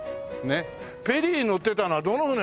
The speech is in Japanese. ペリー乗ってたのはどの船なの？